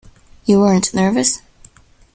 You weren't nervous?